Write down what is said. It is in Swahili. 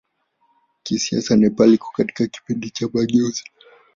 Kisiasa Nepal iko katika kipindi cha mageuzi.